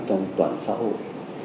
trong toàn xã hội